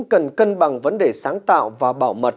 cần cân bằng vấn đề sáng tạo và bảo mật